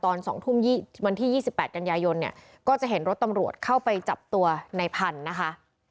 ตอน๒ทุ่ม๒๘กันยายนก็จะเห็นรถตำรวจเข้าไปจับตัวนายพันธุ์